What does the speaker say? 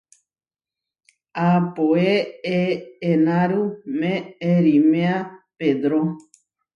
Aapóe eʼenáru meʼeriméa Pedró.